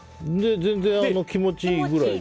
全然、気持ちいいぐらいで。